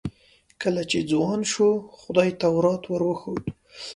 کله چې ځوان شو خدای تورات ور وښود.